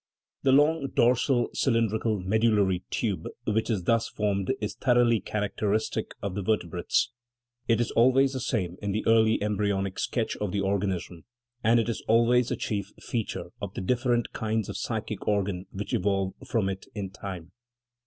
The long dorsal cylindrical medullary tube which is thus formed is thoroughly characteristic of the ver tebrates ; it is always the same in the early embryonic sketch of the organism, and it is always the chief feat ure of the different kinds of psychic organ which evolve from it in time.